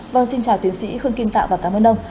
vâng xin chào tiến sĩ khương kim tạo và cảm ơn ông